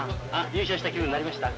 優勝した気分になりました？